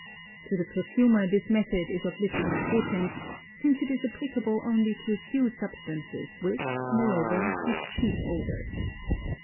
To the perfumer this method is of little importance, since it is applicable only to a few substances which, moreover, give cheap odors.